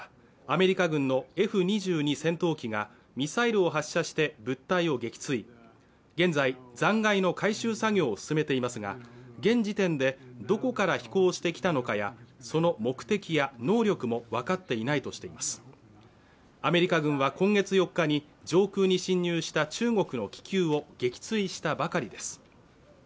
米軍のＦ−２２戦闘機がミサイルを発射して物体を撃墜現在残骸の回収作業を進めていますが現時点でどこから飛行してきたのかやその目的や能力も分かっていないとしていますアメリカ軍は今月４日に上空に侵入した中国の気球を撃墜したばかりです